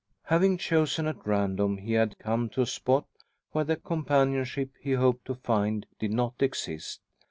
Having chosen at random, he had come to a spot where the companionship he hoped to find did not exist.